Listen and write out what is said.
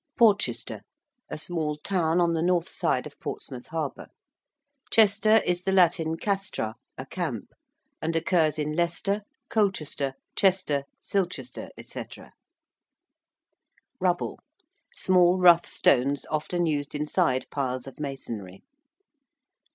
~Porchester~: a small town on the north side of Portsmouth Harbour. Chester is the Latin castra, a camp, and occurs in Leicester, Colchester, Chester, Silchester, &c. ~rubble~: small rough stones often used inside piles of masonry.